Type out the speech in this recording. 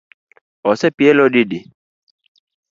Osepielo didi?